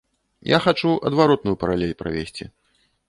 Я хачу адваротную паралель правесці.